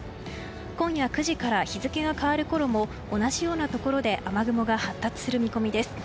今夜９時から日付が変わるころも同じようなところで雨雲が発達する見込みです。